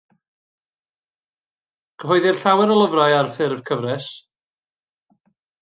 Cyhoeddir llawer o lyfrau ar ffurf cyfres.